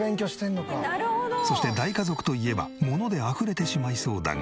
そして大家族といえば物であふれてしまいそうだが。